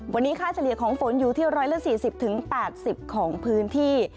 วันนี้ค่าเฉลี่ยของฝนอยู่ที่๑๔๐๘๐ของพื้นที่